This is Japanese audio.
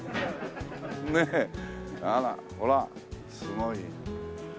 ねえほらすごい。